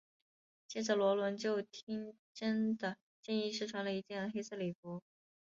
接着萝伦就听珍的建议试穿了一件黑色礼服。